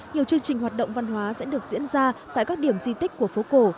nhiều chương trình hoạt động văn hóa sẽ được diễn ra tại các điểm di tích của phố cổ